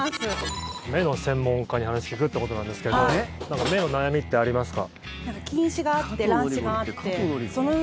目の専門家に話を聞くってことなんですけどなんか目の悩みってありますか？